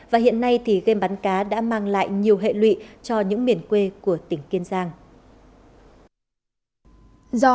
và hiện nay thì game bắn cá đã mang lại nhiều hệ lụy cho những miền quê của tỉnh kiên giang